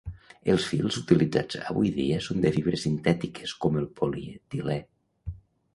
Els fils utilitzats avui dia són de fibres sintètiques com el polietilè.